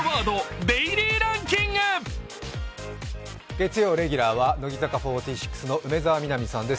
月曜レギュラーは乃木坂４６の梅澤美波さんです。